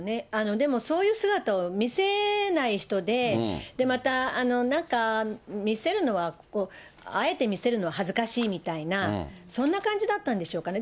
でも、そういう姿を見せない人で、またなんか、見せるのは、あえて見せるのは恥ずかしいみたいな、そんな感じだったんでしょうかね。